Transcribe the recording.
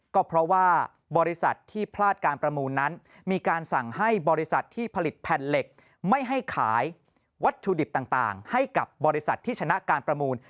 ก็เพราะว่าบริษัทที่พลาดการประมูลนั้นมีการสั่งให้บริษัทที่ผลิตแผ่นเหล็กไม่ให้ขายวัตถุดิบต่างให้กับบริษัทที่ชนะการประมูล